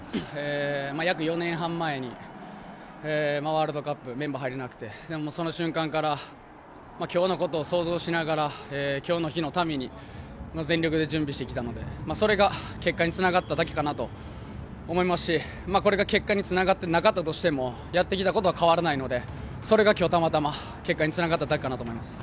約４年半前にワールドカップメンバーに入れなくてその瞬間から今日のことを想像しながら今日の日のために全力で準備してきたのでそれが結果につながっただけかなと思いますしこれが結果につながっていなかったとしてもやってきたこと変わらないのでそれが今日たまたま結果につながっただけかなと思います。